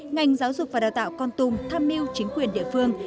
ngành giáo dục và đào tạo con tum tham mưu chính quyền địa phương